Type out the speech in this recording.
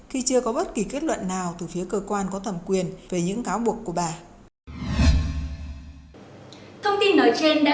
khi chưa có bất kỳ kết luận nào từ phía cơ quan có thẩm quyền về những cáo buộc của bà